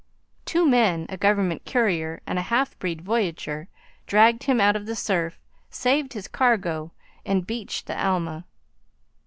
Two men, a government courier and a half breed voyageur, dragged him out of the surf, saved his cargo, and beached the Alma.